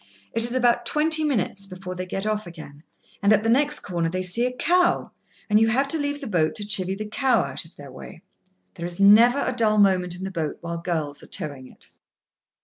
It is about twenty minutes before they get off again, and, at the next corner, they see a cow, and you have to leave the boat to chivy the cow out of their way. There is never a dull moment in the boat while girls are towing it.